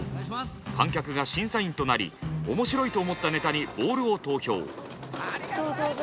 観客が審査員となりおもしろいと思ったネタにボールを投票。